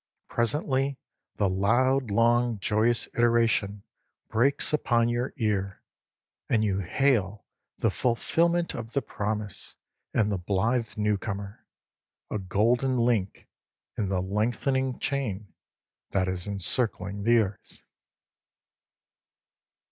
Presently the loud, long, joyous iteration breaks upon your ear, and you hail the fulfillment of the promise and the blithe new comer, a golden link in the lengthening chain that is encircling the earth.